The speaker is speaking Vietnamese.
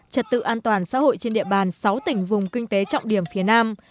trật tự an toàn xã hội trên địa bàn sáu tỉnh vùng kinh tế trọng điểm phía nam